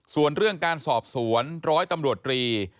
ส่วนเรื่องการสอบสวนร้อยตำรวจรี